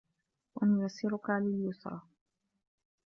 وَنُيَسِّرُكَ لِليُسرى